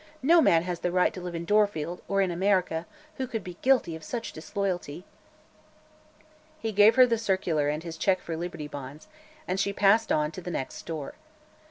"No man has the right to live in Dorfield or in America who could be guilty of such disloyalty." He gave her the circular and his check for Liberty Bonds, and she passed on to the next store.